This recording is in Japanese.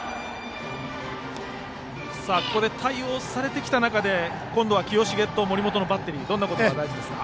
対応されてきた中で清重と森本のバッテリーどんなことが大事ですか。